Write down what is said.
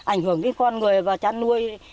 ảnh hưởng cái con người và chăn nuôi